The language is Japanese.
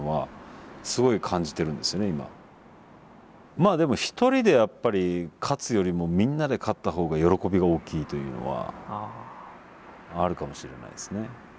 まあでも一人でやっぱり勝つよりもみんなで勝った方が喜びが大きいというのはあるかもしれないですね。